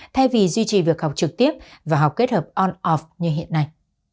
thay vì duy trì việc học trực tiếp và học kết hợp on of như hiện nay